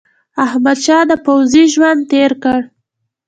احمدشاه د پوځي ژوند تېر کړ.